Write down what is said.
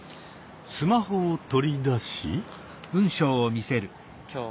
スマホを取り出し。